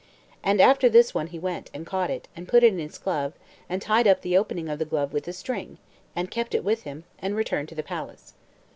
And after this one he went, and he caught it, and put it in his glove, and tied up the opening of the glove with a string, and kept it with him, and returned to the palace.